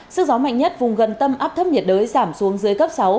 sức gió mạnh nhất vùng gần tâm áp thấp nhiệt đới giảm xuống dưới cấp sáu